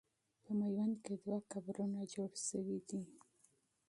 په میوند کې دوه قبرونه جوړ سوي دي.